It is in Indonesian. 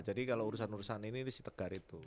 jadi kalau urusan urusan ini si tegar itu